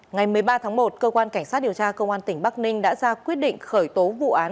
ngày một mươi ba tháng một cơ quan cảnh sát điều tra công an tỉnh bắc ninh đã ra quyết định khởi tố vụ án